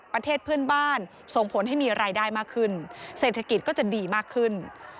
ประเทศเพื่อนบ้านส่งผลให้มีรายได้มากขึ้นเศรษฐกิจก็จะดีมากขึ้น